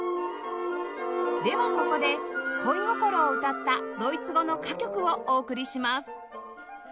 ではここで恋心を歌ったドイツ語の歌曲をお送りします